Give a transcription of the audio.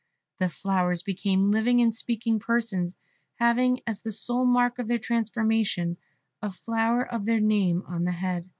The flowers became living and speaking persons, having as the sole mark of their transformation a flower of their name on the head.